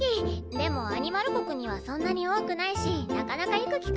でもアニマル国にはそんなに多くないしなかなか行く機会もなくて。